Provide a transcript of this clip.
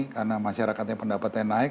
karena masyarakatnya pendapatnya naik